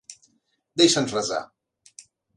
Deixa'ns resar.